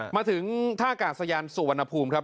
มาถึงท่ากาศยานสุวรรณภูมิครับ